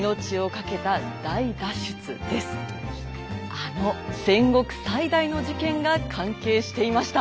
あの戦国最大の事件が関係していました。